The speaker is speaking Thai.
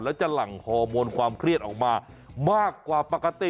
แล้วจะหลั่งฮอร์โมนความเครียดออกมามากกว่าปกติ